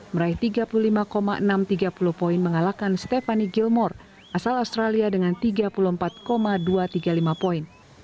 meraih tiga puluh lima enam ratus tiga puluh poin mengalahkan stephanie gilmore asal australia dengan tiga puluh empat dua ratus tiga puluh lima poin